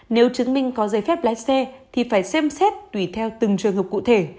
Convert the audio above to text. nếu chứng minh có giấy phép lái xe thì phải xem xét tùy theo từng trường hợp cụ thể